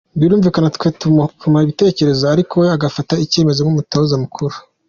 Birumvikana twe tumuha ibitekerezo ariko we agafata icyemezo nk’umutoza mukuru.